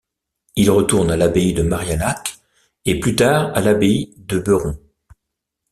Il retourne à l’abbaye de Maria Laach et plus tard à l'abbaye de Beuron.